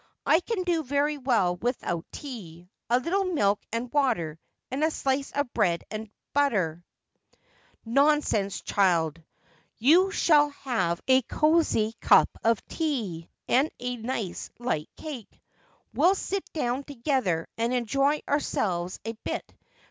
' I can do very well without tea. A little milk and water, and a slice of bread and batter.' In the Bosom of her Family. 325 'Nonsense, child ! you shall have a cosy cup of tea, and a nice light cake. We'll sit down together, and enjoy ourselves a bit.